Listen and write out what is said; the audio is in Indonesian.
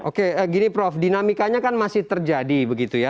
oke gini prof dinamikanya kan masih terjadi begitu ya